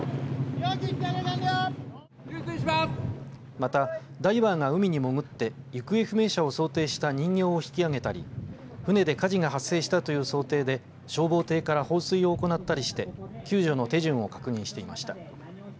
またダイバーが海に潜って行方不明者を想定した人形を引き上げたり船で火事が発生したという想定で消防艇から放水を行ったりして救助の手順を確認していました。